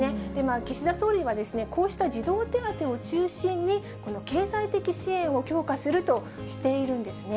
岸田総理はこうした児童手当を中心に、経済的支援を強化するとしているんですね。